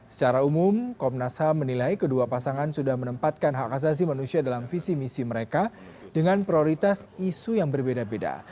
secara umum komnas ham menilai kedua pasangan sudah menempatkan hak asasi manusia dalam visi misi mereka dengan prioritas isu yang berbeda beda